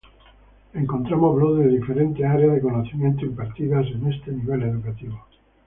Encontramos blogs de diferentes áreas de conocimiento impartidas en este nivel educativo.